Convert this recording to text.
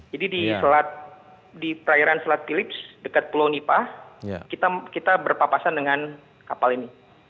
jadi di selat di perairan selat philips dekat pulau nipah kita berpapasan dengan kapal ini